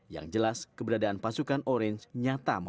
yang jelas keberadaan pasukan orange nyata membantul